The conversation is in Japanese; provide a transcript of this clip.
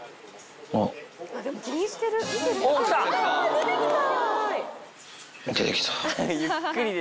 出てきた。